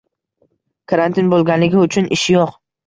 Karantin boʻlganligi uchun ish yo’q.